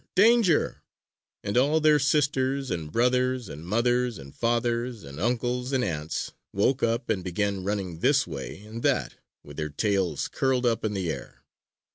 Danger!" And all their sisters and brothers and mothers and fathers and uncles and aunts woke up and began running this way and that with their tails curled up in the air.